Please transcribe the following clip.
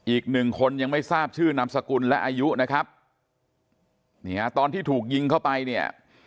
อีกหนึ่งคนยังไม่ทราบชื่อนามสกุลและอายุนะครับนี่ฮะตอนที่ถูกยิงเข้าไปเนี่ย